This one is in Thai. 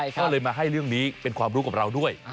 ก็เลยมาให้เรื่องนี้เป็นความรู้กับเราด้วย